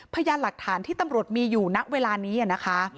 พยานหลักฐานที่ตำรวจมีอยู่ณเวลานี้นะคะ